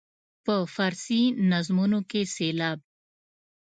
په فارسي نظمونو کې سېلاب.